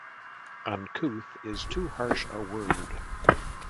Uncouth is too harsh a word.